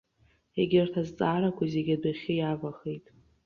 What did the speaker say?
Егьырҭ азҵаарақәа зегьы адәахьы иавахеит.